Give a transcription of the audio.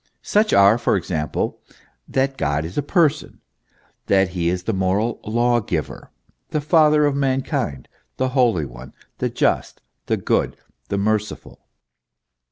Such are, for example, that God is a Person, that he is the moral Law giver, the Father of man kind, the Holy One, the Just, the Good, the Merciful.